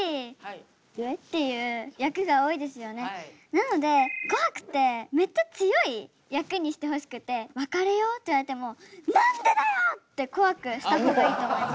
なので怖くてめっちゃ強い役にしてほしくて別れようって言われても「何でだよ！」って怖くした方がいいと思います。